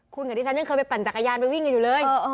คุณกับดิฉันยังเคยไปปั่นจักรยานไปวิ่งกันอยู่เลย